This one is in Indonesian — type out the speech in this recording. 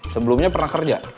sebelumnya pernah kerja